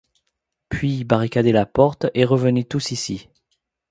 Puis, barricadez la porte, et revenez tous ici